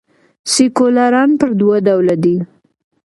سیکولران پر دوه ډوله دي.